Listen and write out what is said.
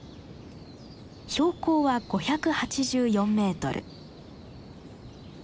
標高は５８４メートル。